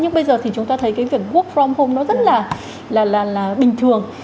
nhưng bây giờ thì chúng ta thấy cái việc hút from home nó rất là bình thường